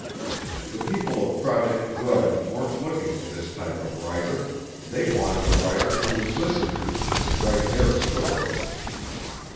The people of Project Grudge weren't looking for this type of writer, they wanted a writer who would listen to them and write their story.